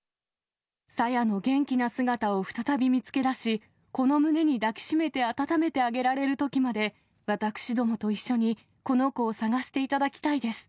さやの元気な姿を再び見つけ出し、この胸に抱き締めてあたためてあげられるときまで私どもと一緒にこの子を捜していただきたいです。